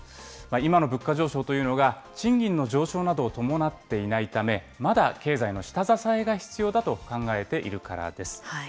今の物価上昇というのが、賃金の上昇などを伴っていないため、まだ経済の下支えが必要だと考えているからです。